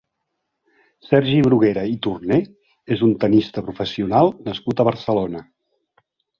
Sergi Bruguera i Torner és un tennista professional nascut a Barcelona.